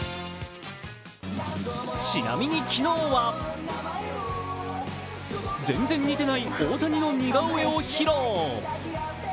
ちなみに昨日は全然似てない大谷の似顔絵を披露。